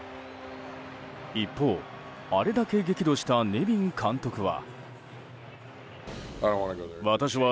一方、あれだけ激怒したネビン監督は。